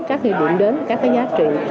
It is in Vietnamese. các điểm đến các giá trị